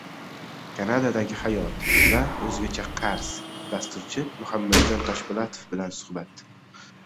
Kanadadagi hayot va «o‘zgacha qarz» – dasturchi Muhammadjon Toshpo‘latov bilan suhbat